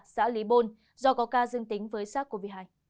xã lý bôn do có ca dương tính với sars cov hai